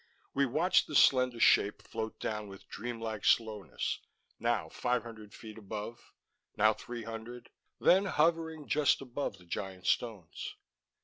We watched the slender shape float down with dreamlike slowness, now five hundred feet above, now three hundred, then hovering just above the giant stones.